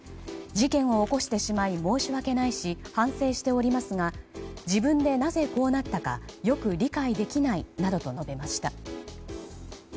事件を起こしてしまい申し訳ないし反省していますが自分でなぜこうなったか理解できないと述べました。